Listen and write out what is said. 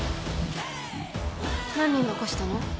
何人残したの？